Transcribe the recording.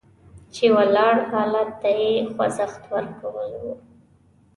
چې ولاړ حالت ته یې خوځښت ورکول وو.